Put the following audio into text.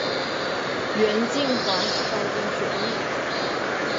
袁敬华是高中学历。